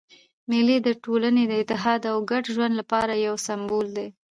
مېلې د ټولني د اتحاد او ګډ ژوند له پاره یو سېمبول دئ.